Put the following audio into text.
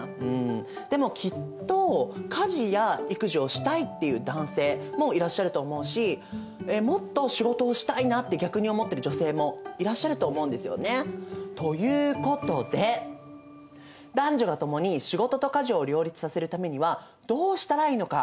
でもきっと「家事や育児をしたい」っていう男性もいらっしゃると思うし「もっと仕事をしたいな」って逆に思ってる女性もいらっしゃると思うんですよね。ということで「男女がともに仕事と家事を両立させるためにはどうしたらいいのか」